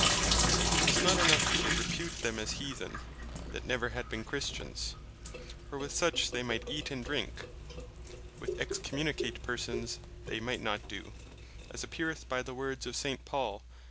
It was not enough to repute them as Heathen, that never had been Christians; for with such they might eate, and drink; which with Excommunicate persons they might not do; as appeareth by the words of St. Paul, (1 Cor.